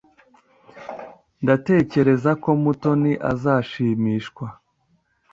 Ndatekereza ko Mutoni azashimishwa.